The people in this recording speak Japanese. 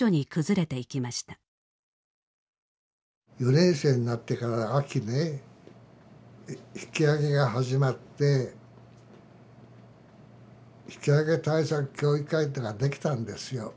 ４年生になってから秋ね引き揚げが始まって引揚対策協議会っていうのができたんですよ。